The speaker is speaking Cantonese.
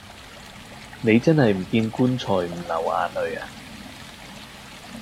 你真係唔見棺材唔流眼淚呀